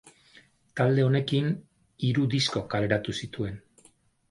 Talde honekin hiru disko kaleratu zituen.